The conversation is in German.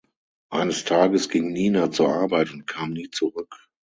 Eines Tages ging Nina zur Arbeit und kam nie zurück.